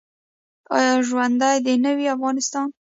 آیا ژوندی دې نه وي افغانستان؟